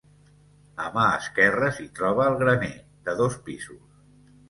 A mà esquerra s'hi troba el graner, de dos pisos.